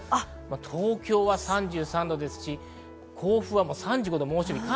東京は３３度ですし、甲府は３５度、猛暑日。